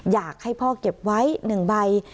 อยากให้พ่อเก็บไว้๑ใบ